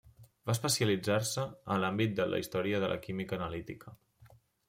Va especialitzar-se a l'àmbit de la història de la química analítica.